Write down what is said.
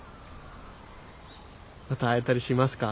また会えたりしますか？